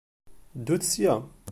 Ddut sya!